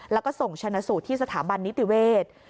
แล้วก็ส่งชนะสูตรที่สถาบันนิติเวศ